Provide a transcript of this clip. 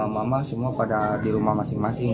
mama semua pada di rumah masing masing